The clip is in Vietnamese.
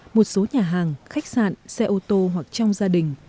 một số nhà hàng khách sạn xe ô tô hoặc trong gia đình